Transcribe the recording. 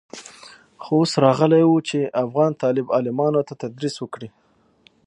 خو اوس راغلى و چې افغان طالب العلمانو ته تدريس وکړي.